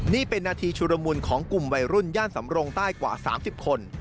นี่เป็นนาทีชุลมุนของกลุ่มวัยรุ่นย่านสำรงใต้กว่า๓๐คน